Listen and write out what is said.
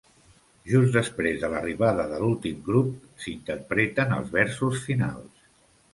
Just després de l'arribada de l'últim grup s'interpreten els versos finals.